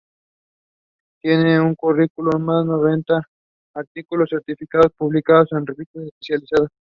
Tiene en su currículum más de noventa artículos científicos publicados en revistas especializadas.